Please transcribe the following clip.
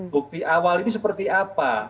bukti awal ini seperti apa